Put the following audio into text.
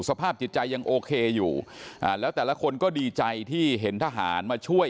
สภาพจิตใจยังโอเคอยู่แล้วแต่ละคนก็ดีใจที่เห็นทหารมาช่วย